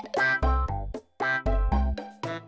ทำไม